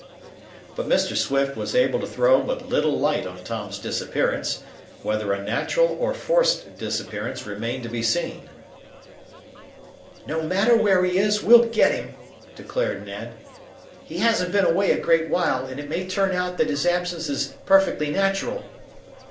But Mr. Swift was able to throw but little light on Tom's disappearance whether a natural or forced disappearance remained to be seen. "No matter where he is, we'll get him," declared Ned. "He hasn't been away a great while, and it may turn out that his absence is perfectly natural."